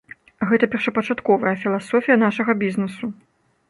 Гэта першапачатковая філасофія нашага бізнесу.